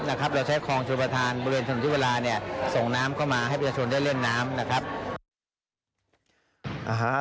เราใช้คลองชุมภาษาบริเวณถนนอธิวราส่งน้ำเข้ามาให้ประชาชนได้เล่นน้ำ